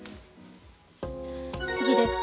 次です。